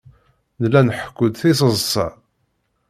Nella nḥekku-d tiseḍsa.